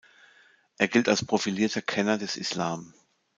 Er gilt als profilierter Kenner des Islam.